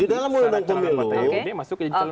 di dalam undang undang pemilu